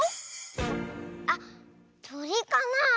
あっとりかな？